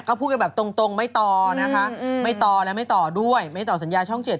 ก็พูดกันแบบตรงตรงไม่ต่อนะคะอืมไม่ต่อแล้วไม่ต่อด้วยไม่ต่อสัญญาช่องเจ็ด